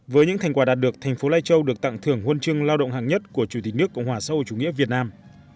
với những thành quả đạt được thành phố lai châu được tặng thưởng huân chương lao động hàng nhất của chủ tịch nước cộng hòa xã hội chủ nghĩa việt nam